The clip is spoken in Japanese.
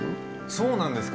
そうなんですか？